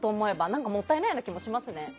何かもったいないような気がしますね。